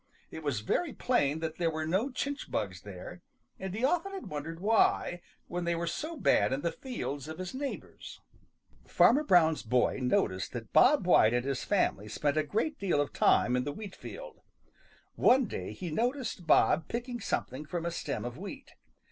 It was very plain that there were no chinch bugs there, and he often had wondered why, when they were so bad in the fields of his neighbors. Farmer Brown's boy noticed that Bob White and his family spent a great deal of time in the wheat field. One day he noticed Bob picking something from a stem of wheat.